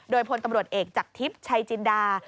โดยพลตำรวจเอกจากทิพย์ชัยจินดา